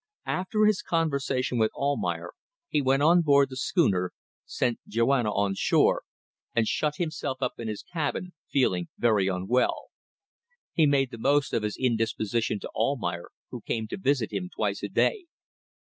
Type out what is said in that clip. After his conversation with Almayer he went on board the schooner, sent Joanna on shore, and shut himself up in his cabin, feeling very unwell. He made the most of his indisposition to Almayer, who came to visit him twice a day.